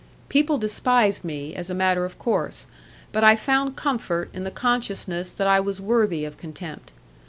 People despised me, as a matter of course; but I found comfort in the consciousness that I was worthy of contempt.